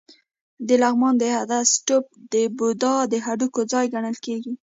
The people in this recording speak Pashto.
د لغمان د هده ستوپ د بودا د هډوکو ځای ګڼل کېږي